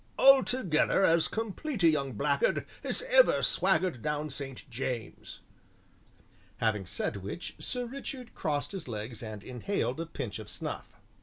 "Altogether as complete a young blackguard as ever swaggered down St. James's." Having said which, Sir Richard crossed his legs and inhaled a pinch of snuff.